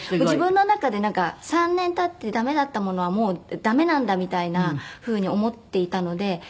自分の中でなんか３年経って駄目だったものはもう駄目なんだみたいなふうに思っていたので。